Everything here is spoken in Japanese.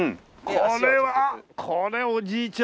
これはこれおじいちゃん